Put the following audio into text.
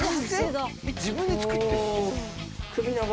自分で作ってるの？